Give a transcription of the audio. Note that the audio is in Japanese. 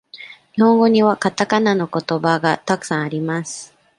日本語にはかたかなのことばがたくさんあります。